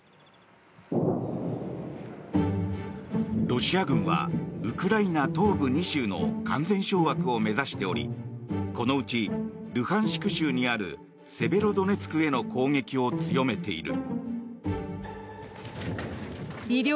ロシア軍はウクライナ東部２州の完全掌握を目指しておりこのうちルハンシク州にあるセベロドネツクへの攻撃を強めている。